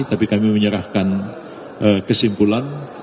tapi kami menyerahkan kesimpulan